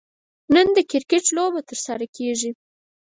نن د کرکټ لوبه ترسره کیږي